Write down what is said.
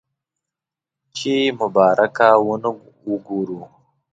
چې مبارکه ونه وګورو.